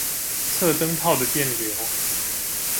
測燈泡的電流